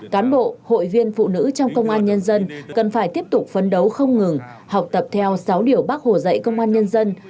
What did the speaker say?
cán bộ hội viên phụ nữ trong công an nhân dân cần phải tiếp tục phấn đấu không ngừng học tập theo sáu điều bác hồ dạy công an nhân dân